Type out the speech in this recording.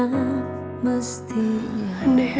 padahal mereka sangat menyayangi tante ayu dan dina